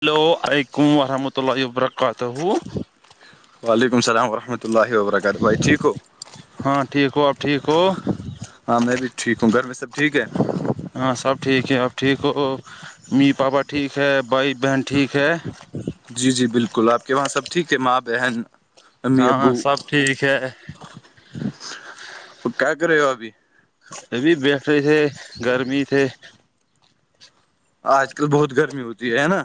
hello علیکم ورحمۃ اللہ وبرکاتہ وعلیکم السلام ورحمۃ اللہ وبرکاتہ بھائی ٹھیک ہو ہاں ٹھیک ہو آپ ٹھیک ہو ہاں میں بھی ٹھیک ہوں گھر میں سب ٹھیک ہے ہاں سب ٹھیک ہے اب ٹھیک ہو می پاپا ٹھیک ہے بھائی بہن ٹھیک ہے جی جی بالکل آپ کے وہاں سب ٹھیک ہے ماں بہن امی ہاں ابو سب ٹھیک ہے کیا کرے ہو ابھی ابھی بیٹھے تھے گرمی تھے آج کل بہت گرمی ہوتی ہے نا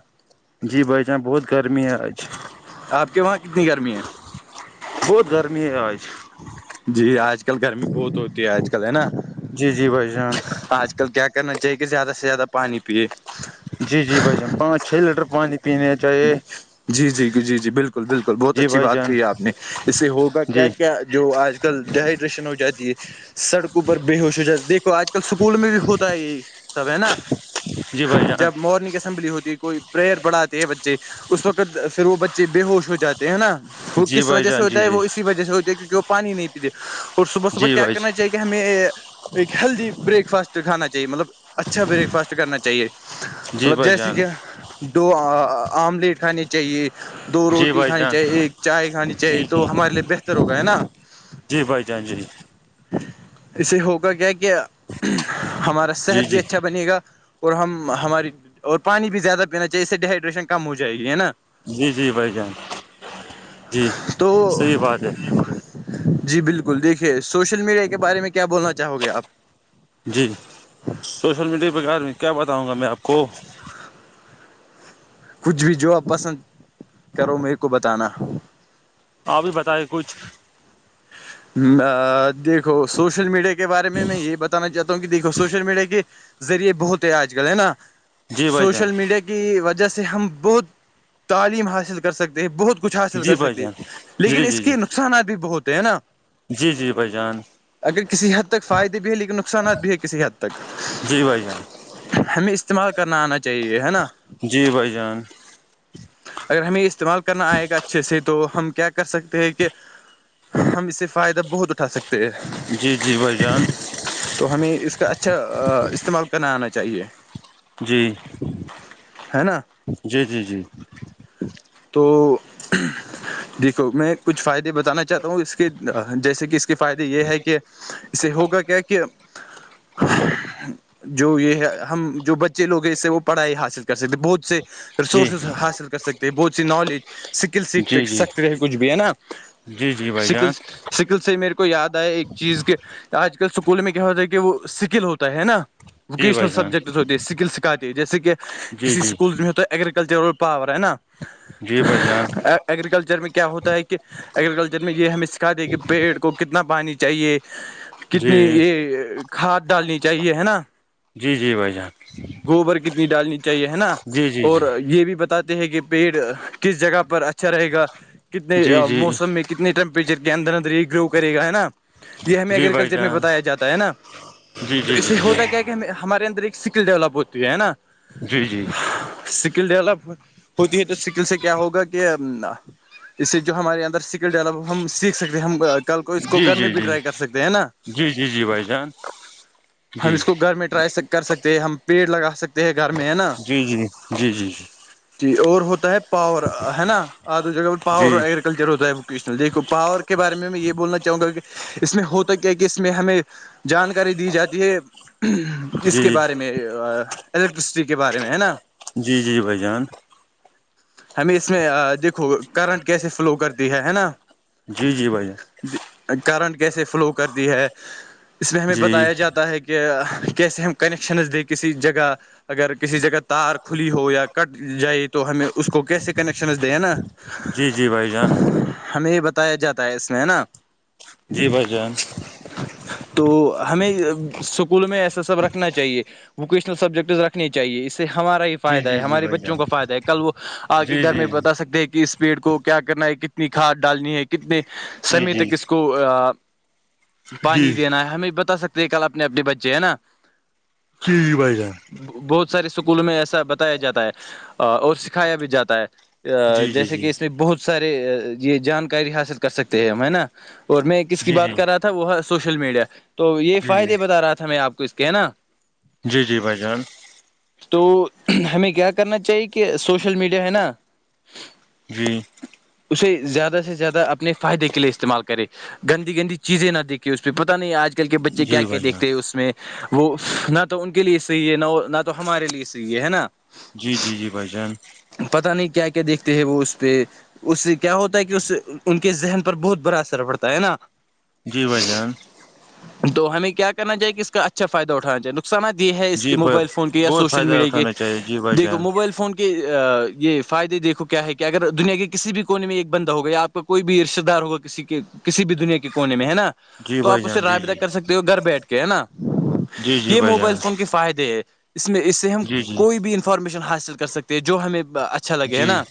جی بھائی جان بہت گرمی ہے آج آپ کے وہاں کتنی گرمی ہے بہت گرمی ہے آج جی آج کل گرمی بہت ہوتی ہے آج کل ہے نا جی جی بھائی جان آج کل کل کیا کرنا چاہیے کہ زیادہ سے زیادہ پانی پیے جی جی بھائیان پانچ چھ لیٹر پانی پینے چاہیے جی جی جی جی جی بالکل بالکل بہت جی اچھی بھائی بات جان کہ آپ نے اس سے ہوگا کیا جی کیا جو آج ل ڈیہائیڈریشن ہو جاتی ہے سڑکوں پر بے ہوش ہو جاتا دیکھو آج کل اسکول میں بھی ہوتا ہے یہ سب ہے نا جی بھائی جان جب مارننگ اسمبلی ہوتی کوئی پرئر بڑھاتے اس وقت پھر وہ بچے بے ہوش ہو جاتے ہیں نا وہ جی کس بھائی وجہ سے جان ہوتا جی ہے جی وہ وجہ سے ہوتی ہے کیونکہ وہ پانی نہیں پیتے اور صبح صبح جی کیا بھائی کرنا چاہے کہ ہمیں ایک ہیلدی بریک فاسٹ کانا چاہیے مطلب اچھا بریک فاسٹ کرنا چاہیے جی مطلب بھائی جیسے جان کہ دو آملیٹ کھانے چاہیے دو جی روٹی بھائی کھانی جان چاہیے ایک چائے کھانی چاہیے جی جی تو ہمارے لیے بہتر ہوگا ہے نا جی بھائی جان جی اسے ہوگا کیا کہ ہمارا جی صحت بھی جی اچھا بنے گا اور ہم ہماری اور پانی بھی زیادہ پینا چاہیے اس سے ڈیہائیڈریشن کم ہو جائے گی ہے نا جی جی بھائی جان جی تو صحیح بات ہے جی بالکل دیکھیے سوشل میڈیا کے بارے میں کیا بولنا چاہو گے آپ جی سوشل میڈیا کے بغار میں کیا بتاؤں گا میں آپ کو کچھ بھی جو آپ پسند کرو میرے کو بتانا آپ بھی بتائے کچھ دیکھو سوشل میڈیا کے بارے میں میں یہ بتانا چاہتا ہوں کہ دیکھو سوشل میڈیا کے ذریعے بہت ہے آج کل ہے نا جی بھائی جان سوشل میڈیا کے کی وجہ سے ہم بہت تعلیم حاصل کر سکتے ہیں بہت کچھ حاصل جی کر بھائی سکتی جان جی لیکن جی اس جی کے نقصانات بھی ب ہوتے ہیں نا جی جی بھائی جان اگر کسی حد تک فائدے بھی ہے لیکن نقصانات بھی ہے کسی حد تک جی بھائی جان ہمیں اس استعمال کرنا آنا چاہیے ہے نا جی بھائی جان اگر ہمیں استعمال کرنا آئے گا اچھے سے تو ہم کیا کر سکتے ہیں کہ ہم اس سے فائدہ بہت اٹھا سکتے ہیں جی جی بھائی جان تو ہمیں اس کا اچھا استعمال کرنا آنا چاہیے جی ہے نا جی جی جی تو دیکھو میں کچھ فائدے بتانا چاہتا ہوں اس کے جیسے کہ فائدے یہ ہے کہ اسے ہوگا کیا کہ جو یہ ہے ہم جو بچے لوگ ہیں اس سے وہ پڑھائی حاصل کر سکتے بہت سے جی رسورسز حاصل کر سک بہت سی نالج اسکل سیکھ جی جی جی سکتے رہے کچھ بھی ہے نا جی بھائی جان اسکلس سکل سے میرے کو یاد آیا ایک چیز کہ آج کل اسکول میں کیا ہوتا ہے کہ وہ سکل ہوتا ہے نا جی ووکیشنل بھائی جان سبجیکٹس ہوتے سکل سکھاتے جیسے کہ جی کسی جی سکولس میں ہو تو اگرییکلچرل پاور ہے نا جی بھائی جان ایگریکلچر میں کیا ہوتا ہے کہ ایگریکلچر میں یہ ہمیں سکھا دے کہ پیڑ کو کتنا پانی چاہیے جی کتنی یہ کھاد ڈالنی چاہیے ہے نا جی جی بھائی جان گوبر کتنی ڈالنی چاہیے ہے نا جی جی اور جی یہ بھی بتاتے ہیں کہ پیڑ کس جگہ پر اچھا رہے گا کتنے جی جی موسم میں کتنے ٹمپریچر کے اندر اندر ہی گرو کرے گا ہے نا یہ ہمیں جی بھائی ایگریکلچر میں جان بتایا جاتا ہے نا جی تو جی اس جی سے ہوتا کیا کیا ہمارے اندر ایک اسکل ڈیولپ ہوتی ہے نا جی جی اسکل ڈیولپ ہوتی ہے تو اسکل سے کیا ہوگا کہ اس سے جو ہمارے اندر اسکل ڈیولپ ہم سیکھ سکتے ہیں ہم کل کو اس کو جی گھر میں جی بھی ٹرائی کر جی سکتے ہے نا جی جی جی بھائی جان ہم جی اس کو گھر میں ٹرائی کر سکتے ہیں ہم پیڑ لگا سکتے ہیں گھر میں ہے نا جی جی جی جی جی جی اور ہوتا ہے پاور ہے نا آدو جگہ پاور اور جی ر ہوتا ہےوکیشنلیکھو پاور کے بارے میں یہ بولنا چاہوں گا کہ اس میں ہوتا کیا کہ اس میں ہمیں جانکاری دی جاتی ہے ج کے جی بارے میں الیکٹرسٹی کے بارے میں ہے نا جی جی بھائی جان ہمیں اس میں دیکھو کرنٹ کیسے فلو کرتی ہے ہے نا جی جی بھیا کرنٹ کیسے فلو کرتی ہے اس میں ہمیں جی بتایا جاتا ہے کہ کہہ کی سے ہم کنیکشنز د کسی جگہ اگر کسی جگہ تار کھلی ہو یا کٹ جائے تو ہمیں اس کو کیسے کنیکشن دیں نا جی جی بھائی جان ہمیں یہ بتایا جاتا ہے اس میں ہے نا جی بھ جان تو ہمیں اسکول میں ایسا سب رکھنا چاہیے ووکیشنل سبجیکٹ رکھنے چاہیے اس سے ہمارا جی فائدہ ہے جی جی ہمارے بھائی بچوں جان کو فائدہ ہے کل وہ آ کے جی گھر میں جی جی بتا سکتے ہیں کہ اس پیڑ کو کیا کرنا ہے کتنی کھاد ڈالنی ہے کتنے سمے جی تک اس کو پانی جی دینا ہے ہمیں بتا سکتے ہیں کل اپنے اپنے بچے ہے نا ک جی بھ جان بہت سارے اسکولوں میں ایسا بتایا جاتا ہے اور سکھایا بھی جاتا ہے جی جی جیسے جی کہ اس میں بہت سارے یہ جانکاری حاصل کر سکتے ہیں ہم ہے نا اور میں کس کی جی جی بات جی کر رہا تھا وہ ہے سوشل میڈیا تو یہ جی فائدے بتا رہا تھا میں آپ کو کچھ کہناا جی جی بھائی جان تو ہمیں کیا کرنا چاہیے کہ سوشل میڈیا ہے نا جی اسے زیادہ سے زیادہ اپنے فائدے کے لیے استعمال کرے گندی گندی چیزیں نہ دیکھییں اس پہ پتا نہیں آج کل کے بچے کیا جی کیا بھائی جان دیکھتے ہیں اس میں وہ نہ تو ان کے لیے صحیح ہے نہ نہ تو ہمارے لیے صحیح ہے ہے نا جی جی جی بھائی جان پتا نہیں کیا کیا دیکھتے ہیں وہ اس پہ اس سے کیا ہوتا ہے کہ اس ان کے ذہن پر بہت بڑا اثر پڑتا ہے نا جی بھائی جان تو ہمیں کیا کرنا چاہی کہ اس کا اچھا فائدہ اٹھانا چاہے نقصانہ د ہے اس جی ب موبائل فون کے یا بہت سوشل فائدہ میڈیا کے اٹھانا چاہیے جی بھائی دیکھو جان موبائل فون کے یہ فائدے دیکھو کیا ہے کہ اگر دنیا کے کسی بھی کونے میں ایک بندہ ہو گیا آپ کو کوئی بھی رشتے دار ہوگا کسی کے کسی بھی دنیا کے کونے میں ہے نا جی تو آپ بھائی اسے جان جی رابدہ جی کر سکتے ہو گھر بیٹھ کے ہے نا جی جی یہ بھائی موبائل جان فون کے فائدے ہے اس میں اس سے ہم جی جی کوئی بھی انفارمیشن حاصل کر سکتے ہیں جو ہمیں اچھا لگے ہے جی نا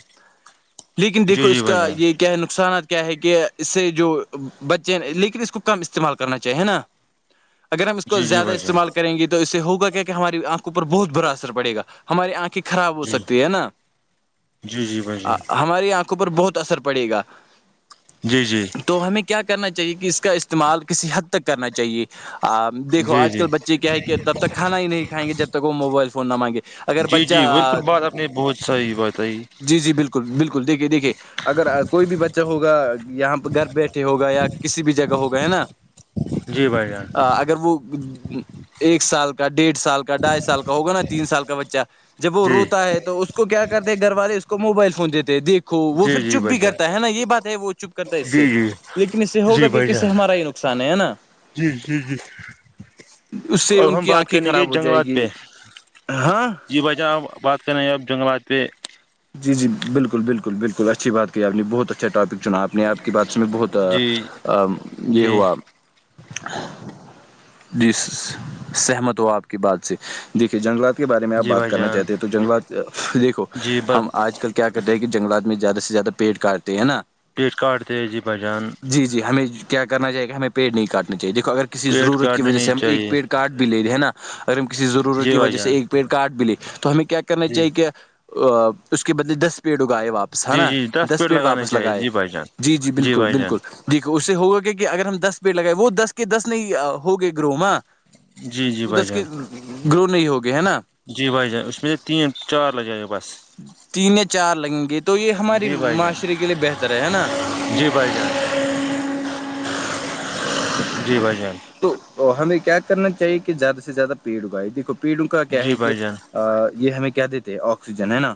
لیکن دیکھو جی جی اس بھائی کا جان یہ کیا نقصانات کیا ہے کہ اس سے جو بچے لیکن اس کو کم استعمال کرنا چاہیے نا [inaudible] اگر ہم اس کو جی زیادہ بھائی جان استعمال کریں گ تو اس سے ہوگا کیا کہ ہماری آنکھوںوپر بہت برا اثر پڑےا ہماری آنکھیں خراب ہو جی سکتی ہے نا جی جی بھائی جان ہماری آنکھوں پر بہت اثر پڑے گا جی جی تو ہمیں کیا کرنا چاہیے کہ اس کا استعمال کسی حد تک کرنا چاہیے آپ دیکو جی آج جی کل بچے کیا ہے کہ تب تک کانا ہی نہیں کائیں گے جب تک وہ موبائل فون نہ مانگے اگر جی جی بالکل بچہ بات آپ نے بہت سی بتائی جی جی بالکل بالکل دیکھیے دیکھیے اگر کوئی بھی بچہ ہوگا یہاں پہ گھر بیٹھے ہوگا یا کسی بھی جگہ ہوگا ہے نا جی بھائی جان اگر وہ ایک سال کا ڈیڑھ سال کا ڈھائی سال کا ہوگا نا تین سال کا بچہ جب وہ جی روتا ہے تو اس کو کیا کرتے ہیں گھر والے اس کو موبائل فون دیتے ہیں دیکھ وہ جی پھر جی چپ بھائی بھی جان کرتا ہے نا یہ بات ہے وہ چپ کرتا ہے اس سے جی جی لیکن اس سے ہوگا کہ کس سے ہمارا ہی پسان ہیں نا [unintelligible] جی جی اس سے اب ان ہم کی بات آنکھیں کریں گے خراب ہو جائے جنگلات گی پہ ہاں جی بھائی جان آپ بات س نیب جنگلات [unintelligible] جی جی بالکل بالکل بالکل اچھی بات کی آپ نے بہت اچھا ٹاپک چنا آپ نے آپ کی بات سے میں بہت جی یہ جی ہوا جی سہمت ہو آپ کی بات سے دیکھیے جنگلات بارے میں آپ جی بات بھائی کرنا جان چاہتے ہیں تو جنگلات دیکھو جی ب ہم آج ل کیا کرتے ہیں کہ جنگلات میں زیادہ سے زیادہ پیٹ کاٹتے ہیں نا پیٹ کاٹ تے ی بچان جی جی ہمیں کیا کرنا چاہے گا ہمیں پیڑ نہیں کاٹنے چاہیے دیکھو اگر کسی پیٹ ضرورت کی کاٹنے وجہ سے نہیں ہم ایک چاہیے پیڈ کارڈ بھی لے لیں ہے نا اگر ہم کسی ضرورت جی کی بھائی وجہ سے جان ایک پیڑ کاٹ بھیلے تو ہمیں کیا کرنا جی چاہیے کہ اس کے بدلے دس پیڑ اگائے واپ ہے جی نا جی دس پیڑ پیٹ لگانے واپس چاہیے لگائے جی بھائی جان جی جی بالکل بھائی جان بالکل جی اس سے ہوگا کہ کہ اگر ہم دس پیڑ لگائے وہ دس کے دس نہیں ہو گے گروہ جی جی وہ بھائی دس کے جان گرو نہیں ہوگئے ہے نا جی بھائی جان اس میں سے تین چار لگ جائیں گے بس تین چار لنگت تو یہ ہماری جی بھائی جان معاشرے کے لیے بہتر ہے ہے نا جی بھائی جان جی بھائی جان تو ہمیں کیا کرنا چاہیے کہ زیادہ سے زیادہ پیڑ اگائے دیکھو پیڑوں کا کیا جی ہے کہ بھائی جان یہ ہمیں کیا دیتے آکسیجن ہے نا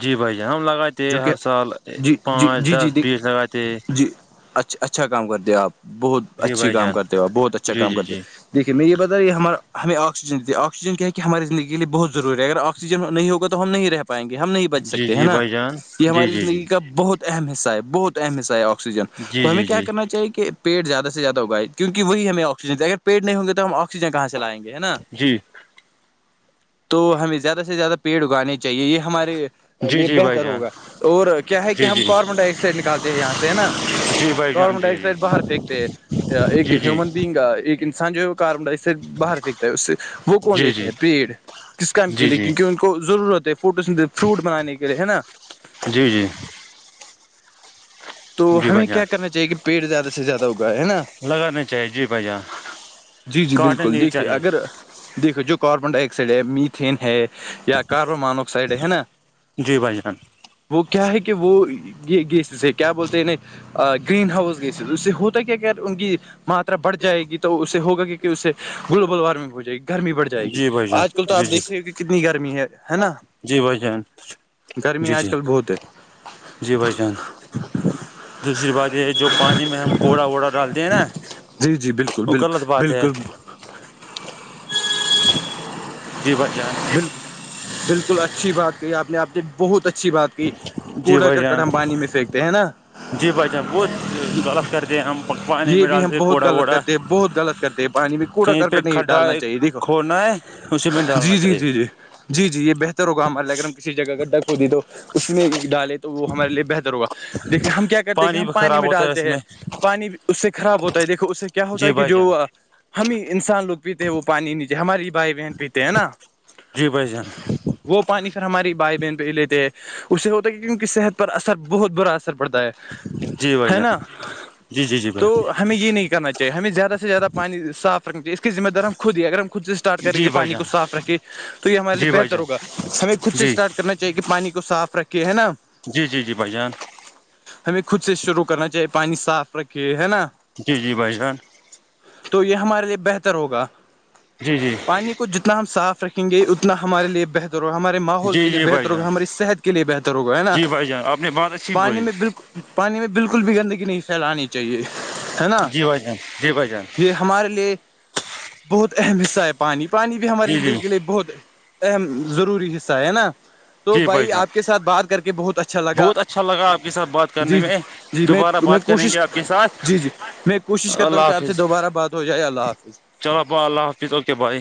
جی بھیا ہم لگاتے ہیں جو کہ ہر سال جی جی پانچ دس جی جی بیس لگاتے ہیں جی اچھا اچھا کام کرتے ہو آپ بہت جی اچھی بھائی کام جان کرتے ہو آپ بہت اچھا جی کام جی کرتے جی ہو دیکے میں یہ بتا رہ کہ ہمیں آکسیجن دی آکسیجن کیا ہے کہ ہماری زندگی لیے بہت ضوری ہے ا آکسیجن نہیں ہوگا ہم نہیں رہ پائیں گے ہم نہیں بچ جی سکتے ہیں جی نا بھائی جان یہ جی ہماری جی جی زندگی کا بہت اہم حصہ ہے بہت اہم حصہ ہے آکسیجن جی تو ہمیں جی کیا جی کرنا چاہیے کہ پیٹ زدہ سے زیادہگائے کیک وہی ہمیں آکسیجن اگر پی نہیں ہوں گ تو ہم آکسیجن کہاں سے لائ گے ہے نا جی تو ہمیں زیادہ سے زیادہ پیڑ اگانے چاہے یہ ہمارے جی لیے جی بھائی بہتر جان ہوگا اور کیا ہے کہ جی ہم جی کاربن ڈائی آکسائڈ نکالتے ہیں یہاں سے ہے نا جی بھائی جان کاربن ڈائی جی آکسائڈ باہر پھینتے ایک جی جی ہیومن بینگ ایک انسان جو ہے کاربن ڈ سے باہر پھینکتا ہے اس سے وہ کون جی لیتے ہیں جی جی پیڑ کس کام کے لیے جی کیونکہ ان کے ضرورت ہے فوٹ فروٹ بنانے کے لیے ہے نا جی جی تو جی ہمیں بھائی جان کیا کرنا چاہیے کہ پیٹ زیادہ سے زیادہ ہوا ہے نا لگانا چاہیے جی بھائی جان جی جی کاٹنا بالکل نہیں دیکھیے چاہیے اگر دیکھو جو کاربن ڈائی آکسائڈ ہے میتین ہے یا کاربن مانوکسائڈ ہے نا جی بھائیران وہ کیا ہے کہ وہ یہ گی کیا بولتے ہیں ن گرین ہاؤس گئی اس سے ہوتا کیا کیا ان کی ماترا بڑھ جائے گی تو اس سے ہوگا کہ کہ اس سے گلوبل وارمنگ ہو جائے گی گرمی بڑ جائے گی جی بھائی جان آج کل تو جی آپ جی دیکھ س کہ کتنی گرمی ہے ہے نا جی بھ جن گرمی آج کل بہت ہے جی بھائی جان دوسری بات یہ جو پانی میں ہم کوڑا ووڑا ڈالتے ہیں نا جی جی بالکل وہ بالکل غلط بات ہے بالکل بی بھ جان بال بالکل اچھی بات کہ آپ نے آپ نے بہت اچھی بات جی کوڑا بھائی کر جان کٹم پانی میں پھینکتے ہیں نا جی بھائی جان بہت غلط کرتے ہیں ہم پانی یہ میں بھی ہم ڈالتے بہت کوڑا غلط ووڑا کرتے ہیں بہت غلط کرتے ہیں پانی میں کوڑا کہیں پہ کرکٹ نہیں کھڈا ڈالنا چاہیے دیکھو کھودنا ہے اسی میں جی ڈالنا جی چاہیے جی جی جی جی یہ بہتر ہوگا ہمارے لیے اگر ہم کسی جگہ کا ڈک کو دے تو اس میں ڈالیں تو وہ ہمارے لیے بہتر ہوگا دیکے ہم کیا کرتے ہیں کہ ہم بھی پانی خراب میں ہوتا ہے اس ڈالتے ہیں میں پانی اس سے خراب ہوتا ہے دیکھو اس سے کیا ہوتا جی ہے کہ بھائی جو جان ہم ہی انسان لوگ پیتے ہیں وہ پانی نیچے ہماری بھائی بہن پیتے ہیں نا جی بھائی جان وہ پانی پھر ہماری بھائی بہن پہ ہی لیتے ہے اس سے ہوتا ہے کی ان کی صحت پر اثر بہت برا اثر پڑتا ہے جی بھائی ہے جان نا جی جی جی تو بھائی ہمیں یہ نہیں کرنا چاہے ہمیںیادہ سے زیادہ پانی صاف رکھنا چاہیے اسس ذمہ دار ہم خود ہی اگر ہم خود سے ٹ کریں گے جی بھائی پانی کو جان صاف رکھے تو یہ ہمارے لیے جی بھائی بہتر جان ہوگا ہمیں خود سے جی اسٹارٹ کر کرنا چاہیے کہ پانی کو صاف رکھھیے ہے نا جی جی جی بھائی جان ہمیں خود سے شروع کرنا چاہیے پانی صاف رکھے ہے نا جی جی بھائی جان تو یہ ہمارے لیے بہتر ہوگا جی جی پانی کو جتنا ہم صاف رکھیں گے اتنا ہمارے لیے بہتر ہو ہمارے ماحول کے جی لیے جی بھائی بہتر جان ہوگا ہماری صحت کے لیے بہتر ہوگا ہے نا جی بھائی جان آپ نے بہت اچھی پانی بولی میں بالکل پانی میں بالکل بھی گندگی نہیں پھیلانی چیے چاہیے ہے نا جی بھائی جان جی بھائی جان یہ ہمارے لیے بہت اہم حصہ ہے پانی پانی بھی ہماری جی زندگی جی کے لیے بہت اہم ضروری حصہ ہے نا تو جی بھائی جان آپ کے ساتھ بات کر کے بہت اچھا لگا بہت اچھا لگا آپ کے ساتھ بات کرنے جی جی میں جی میں دوبارہ میں بات کریں گے کوشش آپ کے ساتھ جی جی میں کوشش کرتا ہوں اللہ کہ آپ سے حافظ دوبارہ بات ہو جائے اللہ حافظ چلو بھا اللہ حافظ اوکے بھائی